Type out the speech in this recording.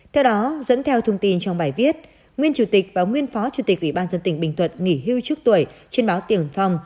theo đó dẫn theo thông tin trong bài viết nguyên chủ tịch và nguyên phó chủ tịch ủy ban dân tỉnh bình thuận nghỉ hưu trước tuổi trên báo tiền phong